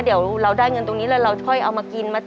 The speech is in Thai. เดี๋ยวเราได้เงินตรงนี้แล้วเราค่อยเอามากิน